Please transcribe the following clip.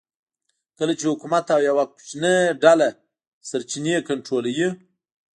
کله چې حکومت او یوه کوچنۍ ډله سرچینې کنټرولوي